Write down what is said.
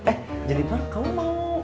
eh jadi pak kamu mau